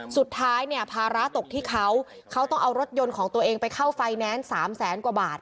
สุดท้ายเนี่ยภาระตกที่เขาเขาต้องเอารถยนต์ของตัวเองไปเข้าไฟแนนซ์๓แสนกว่าบาท